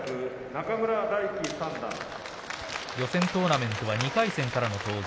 予選トーナメント２回戦からの登場